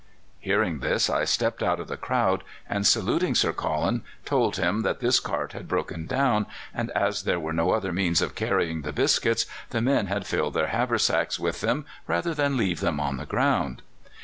"Hearing this, I stepped out of the crowd, and, saluting Sir Colin, told him that this cart had broken down, and as there were no other means of carrying the biscuits, the men had filled their haversacks with them rather than leave them on the ground.